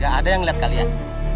gak ada yang liat kalian